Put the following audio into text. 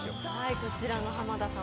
こちらの濱田さん